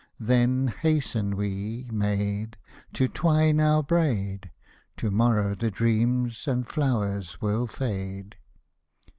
Then hasten we, maid. To twine our braid, To morrow the dreams and flowers will fade.